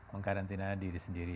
mengkarantina diri sendiri